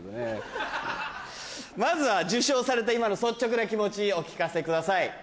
まずは受賞された今の率直な気持ちお聞かせください。